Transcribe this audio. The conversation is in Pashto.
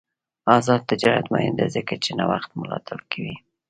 آزاد تجارت مهم دی ځکه چې نوښت ملاتړ کوي.